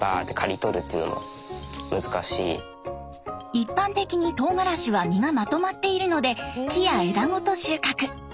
一般的にとうがらしは実がまとまっているので木や枝ごと収穫。